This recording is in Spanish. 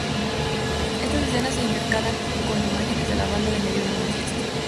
Estas escenas se intercalan con imágenes de la banda en medio de una fiesta.